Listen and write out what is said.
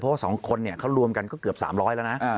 เพราะว่า๒คนเนี่ยเขารวมกันก็เกือบ๓๐๐แล้วนะ